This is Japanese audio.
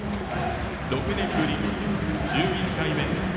６年ぶり１１回目。